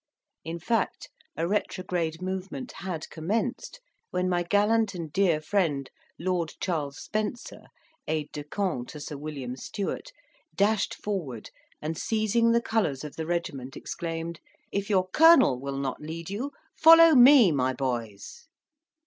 In fact, a retrograde movement had commenced, when my gallant and dear friend Lord Charles Spencer, aide de camp to Sir William Stewart, dashed forward, and, seizing the colours of the regiment, exclaimed, "If your colonel will not lead you, follow me, my boys."